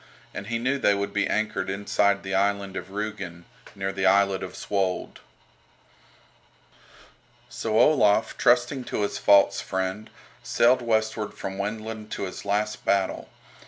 And he knew they would be anchored inside the island of Rügen, near the islet of Svold. So Olaf, trusting to his false friend, sailed westward from Wendland to his last battle.